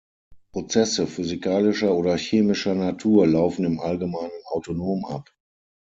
Prozesse physikalischer oder chemischer Natur laufen im Allgemeinen autonom ab.